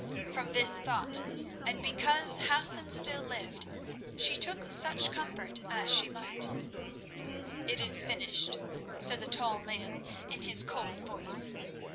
From this thought, and because Hassan still lived, she took such comfort as she might. "It is finished," said the tall man, in his cold voice.